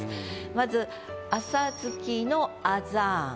まず「朝月のアザーン」。